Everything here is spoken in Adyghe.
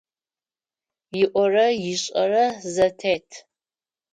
ИIорэ ишIэрэ зэтет.